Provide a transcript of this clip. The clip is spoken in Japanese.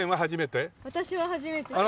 私は初めてです。